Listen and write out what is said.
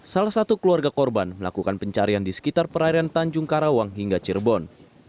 salah satu keluarga korban melakukan pencarian di sekitar perairan tanjung karawang hingga cirebon